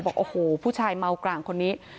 บอกโอ้โหผู้ชายเมากร่างคนนี้